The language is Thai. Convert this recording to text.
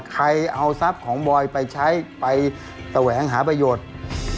ใครเอาทรัพย์ของบอยไปใช้ไปแสวงหาประโยชน์